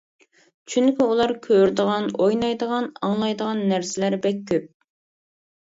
چۈنكى ئۇلار كۆرىدىغان، ئوينايدىغان، ئاڭلايدىغان نەرسىلەر بەك كۆپ.